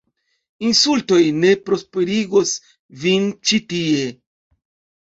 Insultoj ne prosperigos vin ĉi tie!